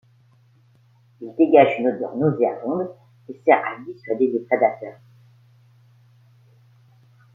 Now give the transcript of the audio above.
Il dégage une odeur nauséabonde et sert à dissuader les prédateurs.